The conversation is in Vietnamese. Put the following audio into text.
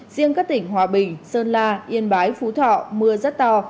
riêng các tỉnh hòa bình sơn la yên bái phú thọ mưa rất to